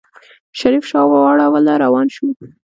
شريف شا واړوله روان شو.